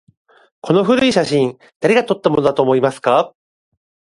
この古い写真、誰が撮ったものだと思いますか？